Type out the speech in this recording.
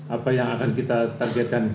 apa yang akan kita targetkan